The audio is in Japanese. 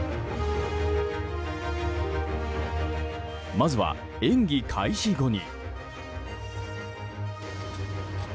まずは演技開始後に。